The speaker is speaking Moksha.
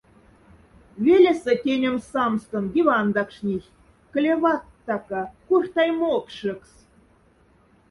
Велеса тянемс самстон дивандакшнихть, кле. ват-така, корхтай мокшекс.